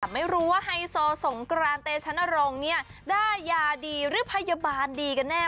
ไม่รู้ว่าไฮโซสงกรานเตชนรงค์ได้ยาดีหรือพยาบาลดีกันแน่